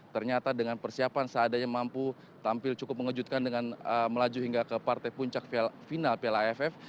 ternyata dengan persiapan seadanya mampu tampil cukup mengejutkan dengan melaju hingga ke partai puncak final piala aff